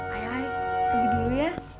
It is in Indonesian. ai ai pergi dulu ya